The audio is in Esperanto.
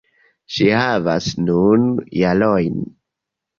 Ŝi havas nun jarojn.